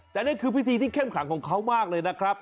แต่นี่คือพิธีที่เข้มขังของเขามากเลยนะครับ